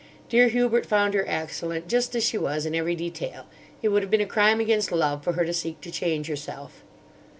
Dear Hubert found her excellent just as she was in every detail. It would have been a crime against Love for her to seek to change herself."